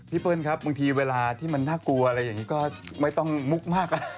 เปิ้ลครับบางทีเวลาที่มันน่ากลัวอะไรอย่างนี้ก็ไม่ต้องมุกมาก